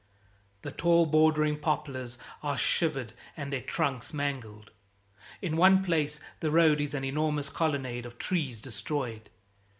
The tall bordering poplars are shivered and their trunks mangled; in one place the road is an enormous colonnade of trees destroyed.